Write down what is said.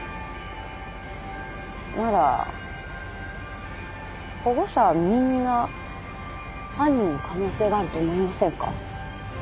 なら保護者はみんな犯人の可能性があると思いませんか？